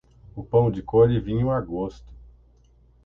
O pão de cor e vinho a gosto.